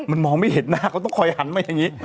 มันมองไม่เห็นหน้าเขาต้องคอยหันมาอย่างนี้